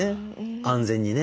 安全にね。